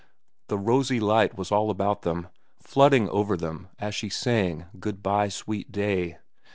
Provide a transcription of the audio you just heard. The rosy light was all about them, flooding over them, as she sang, "Good by, Sweet Day."